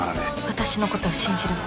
私の事は信じるの？